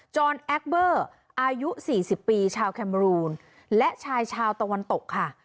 อนแอคเบอร์อายุ๔๐ปีชาวแคมรูนและชายชาวตะวันตกค่ะ